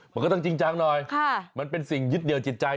มันก็ต้องจริงจังหน่อยมันเป็นสิ่งยึดเหนียวจิตใจ